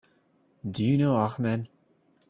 Do you know Ahmed?